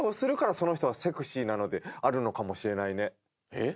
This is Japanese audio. えっ？